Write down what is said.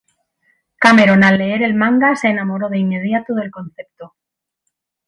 Cameron al leer el manga se enamoró de inmediato del concepto.